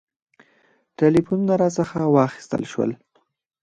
ټلفونونه راڅخه واخیستل شول.